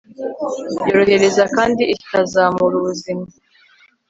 Yorohereza kandi ikazamura ubuzima